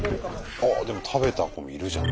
ああでも食べた子もいるじゃん。